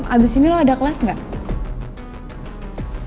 abis ini lo ada kelas nggak